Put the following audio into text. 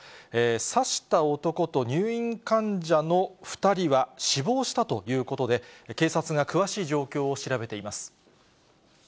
刺した男と入院患者の２人は死亡したということで、警察が詳しい状況を調べています。